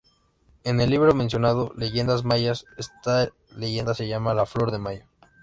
En el libro mencionado, "Leyendas Mayas", esta leyenda se llama "La Flor de Mayo".